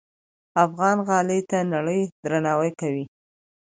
افغان غالۍ ته نړۍ درناوی کوي.